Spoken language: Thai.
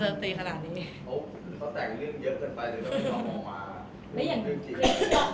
ชี้แจ้งเราไม่ได้เงียบเหมือนกันอะ